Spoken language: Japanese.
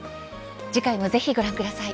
次回も、ぜひご覧ください。